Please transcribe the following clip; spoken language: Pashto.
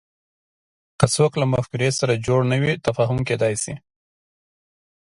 که څوک له مفکورې سره جوړ نه وي تفاهم کېدای شي